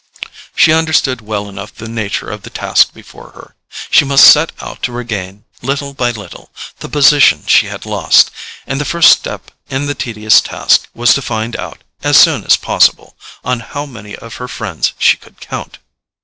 She understood well enough the nature of the task before her. She must set out to regain, little by little, the position she had lost; and the first step in the tedious task was to find out, as soon as possible, on how many of her friends she could count.